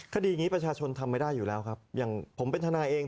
คดีนี้ประชาชนทำไม่ได้อยู่แล้วครับอย่างผมเป็นทนายเอง